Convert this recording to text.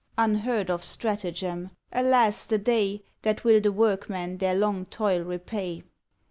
Unheard of stratagem; alas! the day, That will the workmen their long toil repay.